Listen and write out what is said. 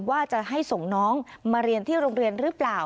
ว่าจะให้ส่งน้องมาเรียนที่โรงเรียนหรือเปล่า